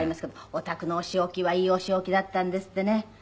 おたくのお仕置きはいいお仕置きだったんですってね。